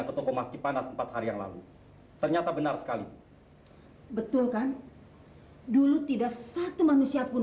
ke toko masjid panas empat hari yang lalu ternyata benar sekali betul kan dulu tidak satu manusia pun